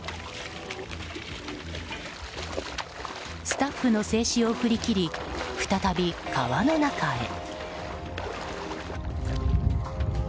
スタッフの制止を振り切り再び川の中へ。